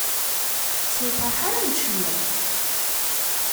S lferḥ ara m-d-cnuɣ.